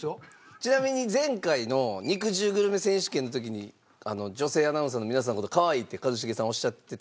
ちなみに前回の肉汁グルメ選手権の時に女性アナウンサーの皆さんの事かわいいって一茂さんおっしゃってた。